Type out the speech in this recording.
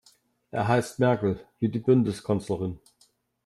Er heißt Merkel, wie die Bundeskanzlerin.